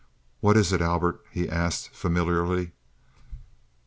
"What is it, Albert?" he asked, familiarly.